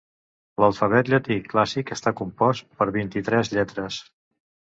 L'alfabet llatí clàssic està compost per vint-i-tres lletres.